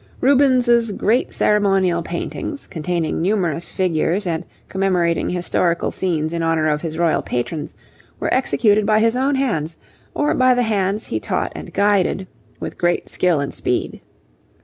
Rubens's great ceremonial paintings, containing numerous figures and commemorating historical scenes in honour of his Royal patrons, were executed by his own hands, or by the hands he taught and guided, with great skill and speed.